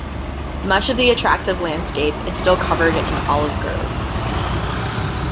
Much of the attractive landscape is still covered in olive groves.